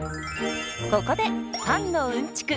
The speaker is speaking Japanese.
ここでパンのうんちく